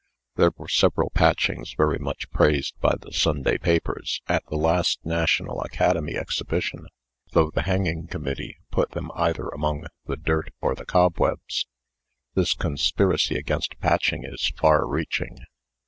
There were several Patchings very much praised by the Sunday papers, at the last National Academy Exhibition, though the hanging committee put them either among the dirt or the cobwebs. This conspiracy against Patching is far reaching.